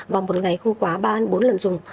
và một ngày không quá ba bốn lần dùng